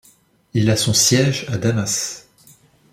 Il a son siège à Damas.